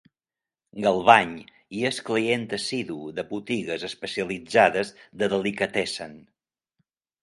Galvany i és client assidu de botigues especialitzades de delikatessen.